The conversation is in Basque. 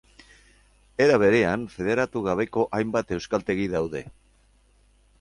Era berean, federatu gabeko hainbat euskaltegi daude.